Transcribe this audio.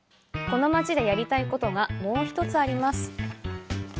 この町でやりたいことがもう１つあります。